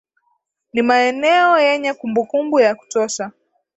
Ni maeneo yenye kumbukumbu ya kutosha